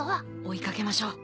追い掛けましょう。